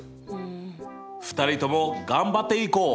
２人とも頑張っていこう！